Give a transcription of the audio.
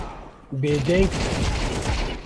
Bêdeng be.